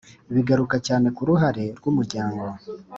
bigaruka cyane ku ruhare rw’umuryango